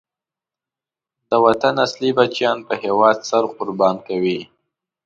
د وطن اصلی بچیان په هېواد سر قربان کوي.